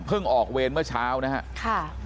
เพิ่งออกเวนเมื่อเช้านะฮะ